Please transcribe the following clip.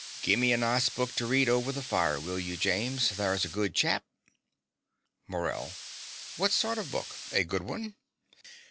Gimme a nice book to read over the fire, will you, James: thur's a good chap. MORELL. What sort of book? A good one?